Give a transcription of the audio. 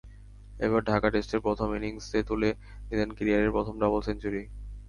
এবার ঢাকা টেস্টের প্রথম ইনিংসে তুলে নিলেন ক্যারিয়ারের প্রথম ডাবল সেঞ্চুরি।